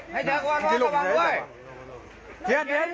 ให้จากบ้านมากับบ้านด้วย